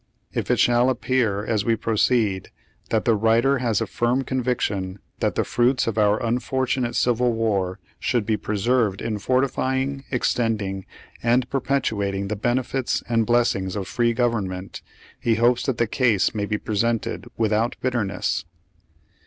If it shall appear as we proceed that the writer has a firm conviction that the fruits of our unfortunate civil war should be preserved in fortifying, ex tending and perpetuating the benefits and bless ings of free government, he hopes that the case may be presented without bitterness.